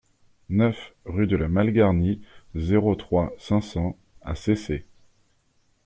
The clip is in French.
neuf rue de la Malgarnie, zéro trois, cinq cents à Cesset